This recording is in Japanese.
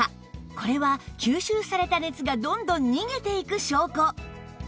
これは吸収された熱がどんどん逃げていく証拠